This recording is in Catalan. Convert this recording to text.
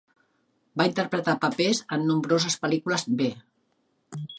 Va interpretar papers en nombroses pel·lícules B.